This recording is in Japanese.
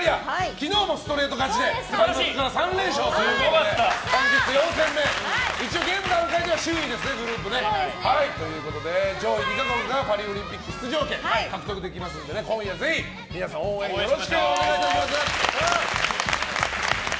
昨日もストレート勝ちで３連勝ということで４戦目、現段階ではグループ首位。ということで上位２か国がパリオリンピック出場権獲得できますので今夜応援よろしくお願いします。